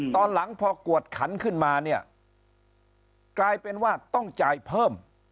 ตอนหลังพอกวดขันขึ้นมาเนี่ยกลายเป็นว่าต้องจ่ายเพิ่ม